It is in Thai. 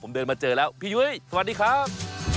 ผมเดินมาเจอแล้วพี่ยุ้ยสวัสดีครับ